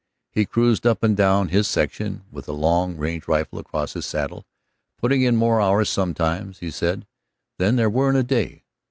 He cruised up and down his section with a long range rifle across his saddle, putting in more hours sometimes, he said, than there were in a day.